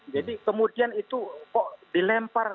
jadi kemudian itu kok dilempar